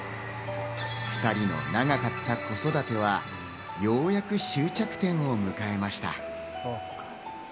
２人の長かった子育てはようやく終着点を迎えました。